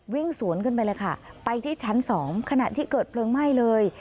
วิ่งสวนขึ้นไปเลยค่ะไปที่ชั้นสองขณะที่เกิดเพลิงไหม้เลย